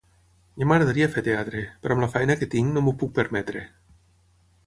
Ja m'agradaria fer teatre, però amb la feina que tinc no m'ho puc permetre.